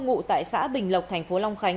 ngụ tại xã bình lộc tp hcm